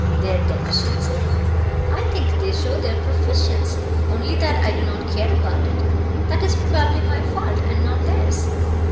"Their deficiency? I think they show their proficiency, only that I do not care about it; that is probably my fault, and not theirs."